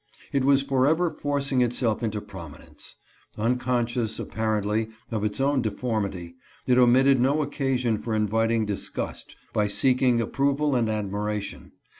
It was forever forcing itself into prominence. Unconscious, apparently, of its own deformity, it omitted no occasion for inviting disgust by seeking approval and admiration.